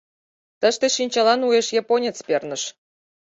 Тыште шинчалан уэш японец перныш.